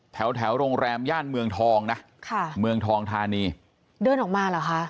แถวแถวโรงแรมย่านเมืองทองนะค่ะเมืองทองธานีเดินออกมาเหรอคะ